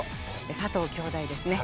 佐藤姉弟ですね。